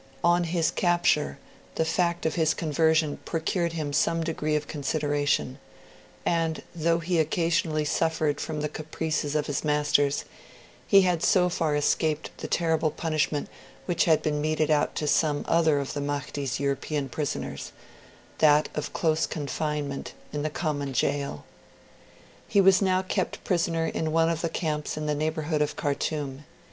On his capture, the fact of his conversion procured him some degree of consideration; and, though he occasionally suffered from the caprices of his masters, he had so far escaped the terrible punishment which had been meted out to some other of the Mahdi's European prisoners that of close confinement in the common gaol. He was now kept prisoner in one of the camps in the neighbourhood of Khartoum.